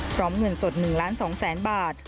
พร้อมเงินสด๑๒๐๐๐๐บาท